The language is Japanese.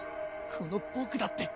この僕だって。